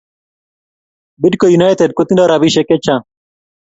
Bidco united ko tindo rapishek che chang